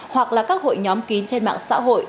hoặc là các hội nhóm kín trên mạng xã hội